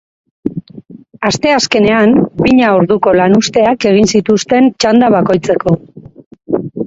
Asteazkenean, bina orduko lanuzteak egin zituzten txanda bakoitzeko.